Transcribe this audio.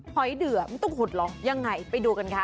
หอยเดือมันต้องขุดเหรอยังไงไปดูกันค่ะ